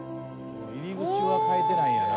入り口は変えてないんやな。